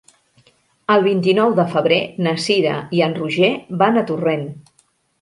El vint-i-nou de febrer na Cira i en Roger van a Torrent.